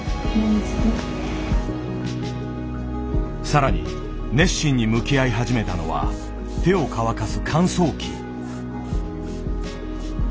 更に熱心に向き合い始めたのは手を乾かす乾燥機。